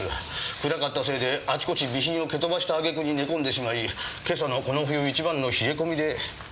暗かったせいであちこち備品を蹴飛ばしたあげくに寝込んでしまい今朝のこの冬一番の冷え込みで。